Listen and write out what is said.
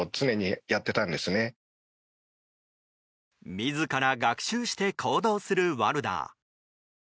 自ら学習して行動するワルダー。